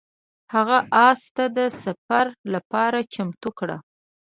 هغه اس ته د سفر لپاره چمتو کړ.